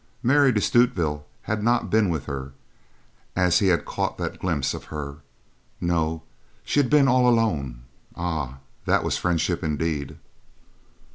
Mary de Stutevill had not been with her as he had caught that glimpse of her, no, she had been all alone. Ah! That was friendship indeed!